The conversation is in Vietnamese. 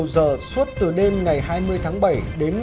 giờ suốt từ đêm ngày hai mươi tháng bảy đến